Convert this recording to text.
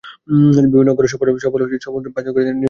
বিভিন্ন অঙ্গনের সফল পাঁচ তরুণীকে নিয়ে নির্মিত হচ্ছে নাটক ট্রিপল এফ।